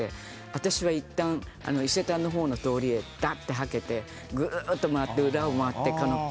私はいったん伊勢丹の方の通りへダッてはけてぐるーっと回って裏を回って行かなきゃならない。